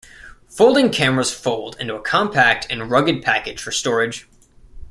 Folding cameras fold into a compact and rugged package for storage.